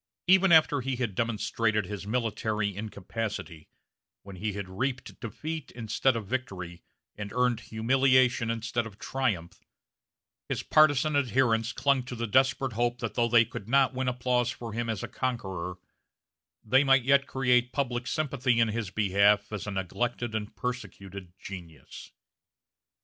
Even after he had demonstrated his military incapacity, when he had reaped defeat instead of victory, and earned humiliation instead of triumph, his partizan adherents clung to the desperate hope that though they could not win applause for him as a conqueror, they might yet create public sympathy in his behalf as a neglected and persecuted genius.